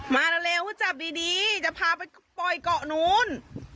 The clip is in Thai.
มาเร็วก็จับดีจะพาไปปล่อยเกาะนู้น